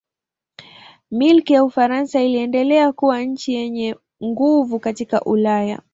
Milki ya Ufaransa iliendelea kuwa nchi yenye nguvu katika Ulaya.